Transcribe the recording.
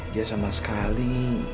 dia sama sekali